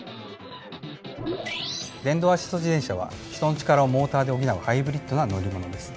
電動アシスト自転車は人の力をモーターで補うハイブリッドな乗り物です。